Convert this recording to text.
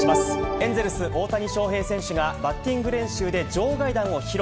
エンゼルス、大谷翔平選手がバッティング練習で場外弾を披露。